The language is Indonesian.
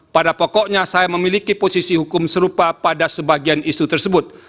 pada pokoknya saya memiliki posisi hukum serupa pada sebagian isu tersebut